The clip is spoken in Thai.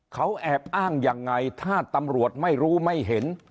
เขาแอบอ้างยังไงถ้าตำรวจไม่รู้ไม่เห็น